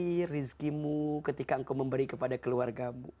jangan khawatir rizkimu ketika aku memberi kepada keluargamu